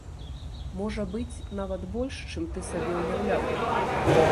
Можа быць, нават больш, чым ты сабе ўяўляў.